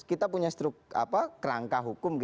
kita punya kerangka hukum